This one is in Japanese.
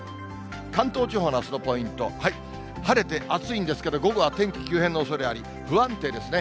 関東地方のあすのポイント、晴れて暑いんですけれども、午後は天気急変のおそれあり、不安定ですね。